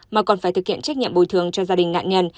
mà còn phải thực hiện trách nhiệm bồi thường cho gia đình nạn nhân